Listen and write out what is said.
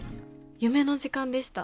夢の時間でした。